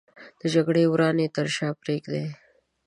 د جګړې ورانۍ تر شا پرېږدي